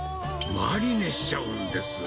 マリネしちゃうんです。